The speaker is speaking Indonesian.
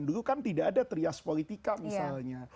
dulu kan tidak ada trias politika misalnya